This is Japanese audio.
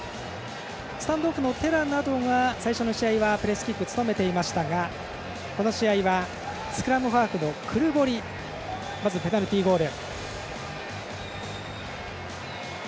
スタンドオフのテラなどが最初の試合はプレースキックを務めていましたがこの試合はスクラムハーフのクルボリがまずペナルティゴール。